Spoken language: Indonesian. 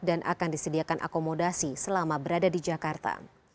dan akan disediakan akomodasi selama berada di jakarta